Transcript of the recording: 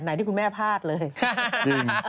จากไทยจากเกาหลี